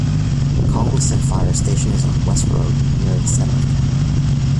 Congleton Fire Station is on West Road, near the centre of town.